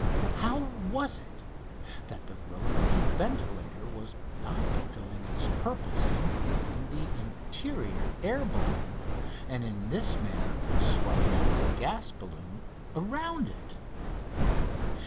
How was it that the rotary ventilator was not fulfilling its purpose in feeding the interior air balloon and in this manner swelling out the gas balloon around it?